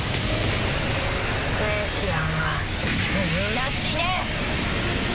スペーシアンはみんな死ね！